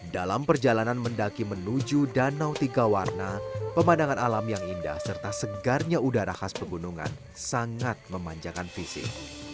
dalam perjalanan mendaki menuju danau tiga warna pemandangan alam yang indah serta segarnya udara khas pegunungan sangat memanjakan fisik